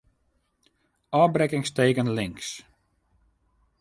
Ofbrekkingsteken links.